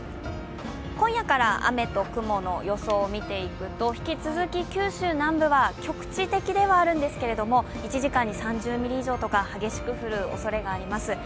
今夜から雨と雲の予想を見ていくと、引き続き九州南部は局地的ではあるんですけれども、１時間に３０ミリ以上とか激しく降るおそれがあります。